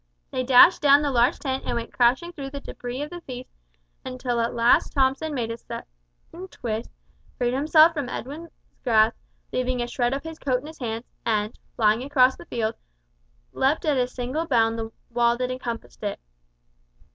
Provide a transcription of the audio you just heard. They dashed down the large tent and went crashing through the debris of the feast until at length Thomson made a sudden twist freed himself from Edwin's grasp, leaving a shred of his coat in his hands, and, flying across the field, leaped at a single bound the wall that encompassed it.